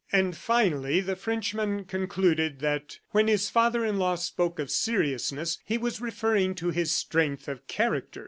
And finally the Frenchman concluded that when his father in law spoke of seriousness he was referring to his strength of character.